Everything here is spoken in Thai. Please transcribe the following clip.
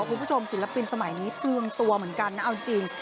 คุณผู้ชมศิลปินสมัยนี้ปรุงตัวเหมือนกันนะเอาจริง